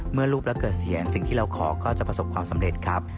รูปแล้วเกิดเสียงสิ่งที่เราขอก็จะประสบความสำเร็จครับ